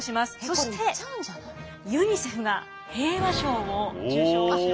そしてユニセフが平和賞を受賞しました。